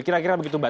kira kira begitu mbak